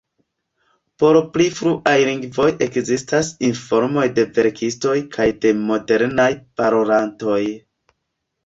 Por pli fruaj lingvoj ekzistas informoj de verkistoj kaj de modernaj parolantoj.